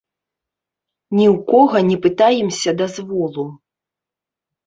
Ні ў кога не пытаемся дазволу.